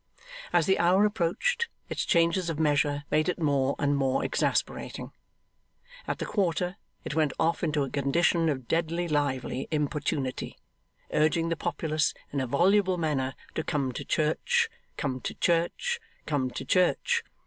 As the hour approached, its changes of measure made it more and more exasperating. At the quarter, it went off into a condition of deadly lively importunity, urging the populace in a voluble manner to Come to church, Come to church, Come to church!